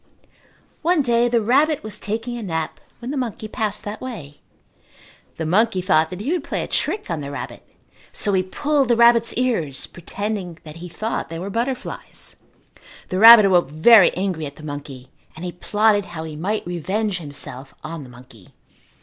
One day the rabbit was taking a nap when the monkey passed that way. The monkey thought that he would play a trick on the rabbit so he pulled the rabbit's ears, pretending that he thought they were butterflies. The rabbit awoke very angry at the monkey and he plotted how he might revenge himself on the monkey.